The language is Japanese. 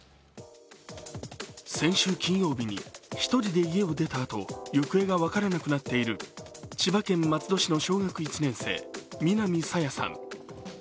先週金曜日に１人で家を出たあと行方が分からなくなっている千葉県松戸市の小学１年生、南朝芽さん。